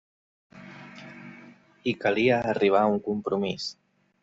I calia arribar a un compromís.